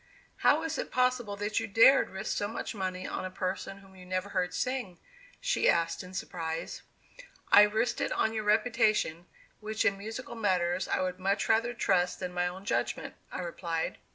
"How is it possible that you dared risk so much money on a person whom you never heard sing?" she asked in surprise. "I risked it on your reputation, which in musical matters I would much rather trust than my own judgment," I replied.